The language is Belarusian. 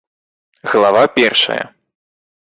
ГЛАВА ПЕРШАЯ.